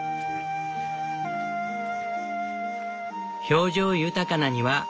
表情豊かな庭。